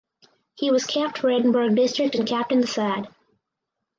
He was capped for Edinburgh District and captained the side.